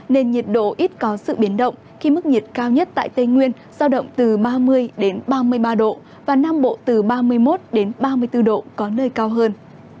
nên nhiệt độ ít có sự biến động khi mức nhiệt cao nhất tại tây nguyên giao động từ ba mươi ba mươi ba độ và nam bộ từ ba mươi một ba mươi bốn độ có nơi cao hơn